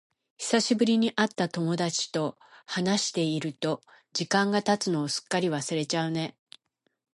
久しぶりに会った友達と話していると、時間が経つのをすっかり忘れちゃうね。